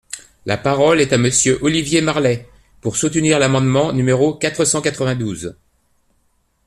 La parole est à Monsieur Olivier Marleix, pour soutenir l’amendement numéro quatre cent quatre-vingt-douze.